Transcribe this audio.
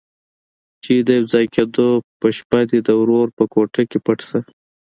چې د يوځای کېدو په شپه دې د ورور په کوټه کې پټ شه.